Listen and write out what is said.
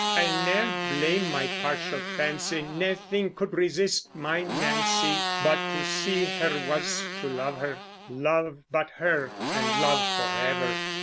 I'll ne'er blame my partial fancy, Naething could resist my Nancy; But to see her was to love her; Love but her, and love forever.